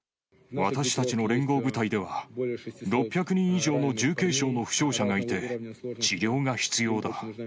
私たちの連合部隊では、６００人以上の重軽傷の負傷者がいて、治療が必要だ。